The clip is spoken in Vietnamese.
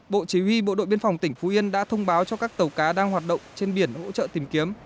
bộ chỉ huy bộ đội biên phòng tỉnh phú yên đã thông báo cho các tàu cá đang hoạt động trên biển hỗ trợ tìm kiếm